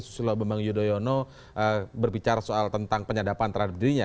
susilo bambang yudhoyono berbicara soal tentang penyadapan terhadap dirinya